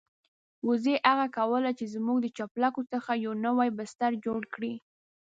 وزې هڅه کوله چې زموږ د چپلکو څخه يو نوی بستر جوړ کړي.